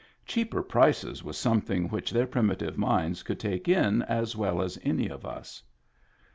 Cheaper prices was something which their primitive minds could take in as well as any of us.